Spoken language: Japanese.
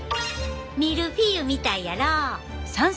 ミルフィーユみたいやろ。